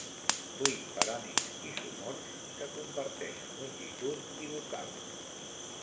Vuit parònims isomorfs que comparteixen longitud i vocals.